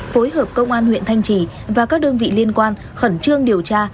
phối hợp công an huyện thanh trì và các đơn vị liên quan khẩn trương điều tra